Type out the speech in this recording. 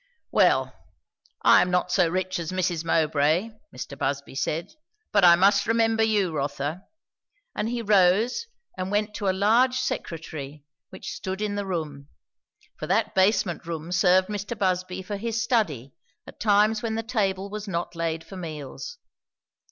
"Well, I am not so rich as Mrs. Mowbray," Mr. Busby said; "but I must remember you, Rotha." And he rose and went to a large secretary which stood in the room; for that basement room served Mr. Busby for his study at times when the table was not laid for meals.